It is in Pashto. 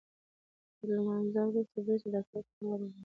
تر لمانځه وروسته بیرته د ډاکټر کره ورغلو.